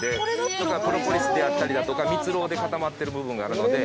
プロポリスであったりだとか蜜蝋で固まってる部分があるので。